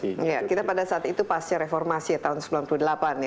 iya kita pada saat itu pasca reformasi tahun seribu sembilan ratus sembilan puluh delapan ya